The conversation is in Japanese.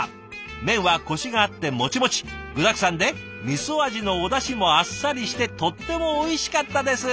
麺はコシがあってモチモチ具だくさんでみそ味のおだしもあっさりしてとってもおいしかったです！」。